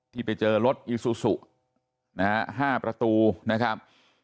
ที่ไปเจอรถอีซูซูนะฮะ๕ประตูนะครับ